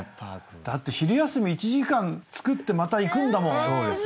だって昼休み１時間作ってまた行くんだもん。